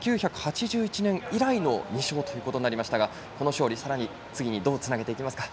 １９８１年以来の２勝となりましたがこの勝利さらに次にどうつなげていきますか。